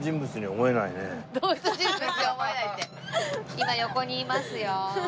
今横にいますよ。